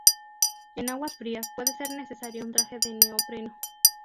En aguas frías puede ser necesario un traje de neopreno.